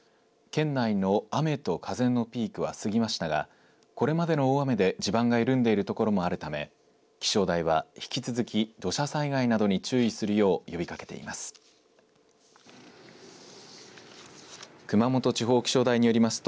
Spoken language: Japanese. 県内の雨と風のピークは過ぎましたがこれまでの大雨で地盤が緩んでいる所もあるため気象台は、引き続き土砂災害などに注意するよう呼びかけています。